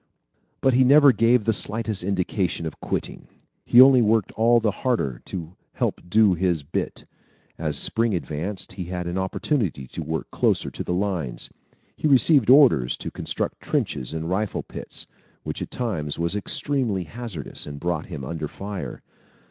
But he never gave the slightest indication of quitting. He only worked all the harder to help do his bit. As Spring advanced, he had an opportunity to work closer to the lines. He received orders to construct trenches and rifle pits, which at times was extremely hazardous and brought him under fire.